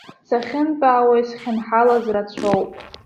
Сахьынтәаауа исхьынҳалаз рацәоуп.